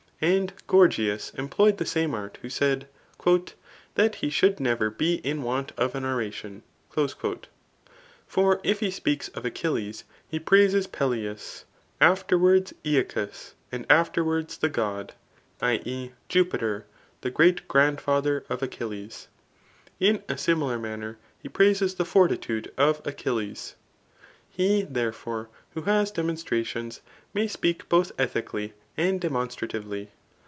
And Gprgias employed the same art, who said, ". That be sboul4 never be in want of an oration." For if he ^Msks of Achilles, he praises Peleus, afferwards iEacus, W afterwards the God [i. e.' Jupiter, the great' grandfii* ther of Achilles.] In a similar manner he prases the fortitude of Achilles. He, therefore, who has demoa* ^tcations, may speak )x)th ethically and demionstrativelf